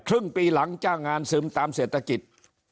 ครึ่งปีหลังจ้างงานซึมตามเศรษฐกิจ